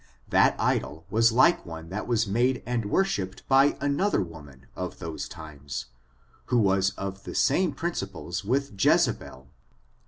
That idol was like one that was made . and worshiped by another woman of those times, who was of the same principles with Jezebel.